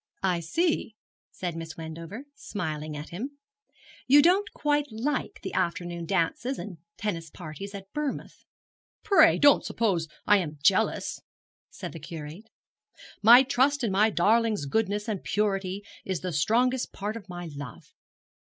'I see,' said Miss Wendover, smiling at him; 'you don't quite like the afternoon dances and tennis parties at Bournemouth.' 'Pray don't suppose I am jealous,' said the Curate. 'My trust in my darling's goodness and purity is the strongest part of my love.